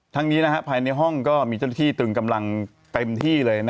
ทั้งนี้ภายในห้องก็มีเจ้าหน้าที่ตึงกำลังเต็มที่เลย